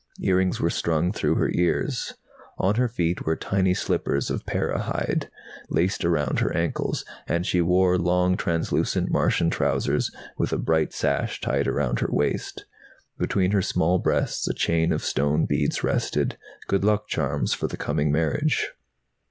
Earrings were strung through her ears. On her feet were tiny slippers of perruh hide, laced around her ankles, and she wore long translucent Martian trousers with a bright sash tied around her waist. Between her small breasts a chain of stone beads rested, good luck charms for the coming marriage.